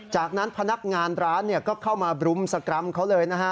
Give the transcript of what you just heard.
จากนั้นพนักงานร้านก็เข้ามาบรุมสกรรมเขาเลยนะฮะ